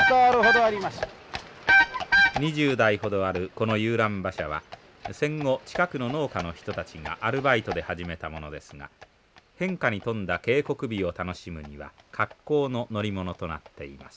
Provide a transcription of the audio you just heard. ２０台ほどあるこの遊覧馬車は戦後近くの農家の人たちがアルバイトで始めたものですが変化に富んだ渓谷美を楽しむには格好の乗り物となっています。